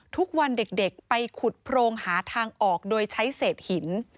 ทุกวันเด็กไปขุดโพรงหาทางออกโดยใช้เศษหิน